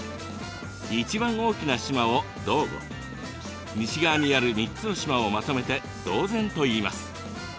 一番大きな島を島後西側にある３つの島をまとめて島前といいます。